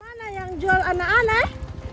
mana yang jual anak anak